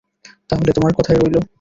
তাহলে, তোমার কথাই রইল।